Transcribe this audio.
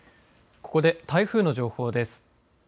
ここで台風の情報です。